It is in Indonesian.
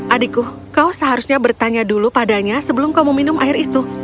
adikku kau seharusnya bertanya dulu padanya sebelum kau meminum air itu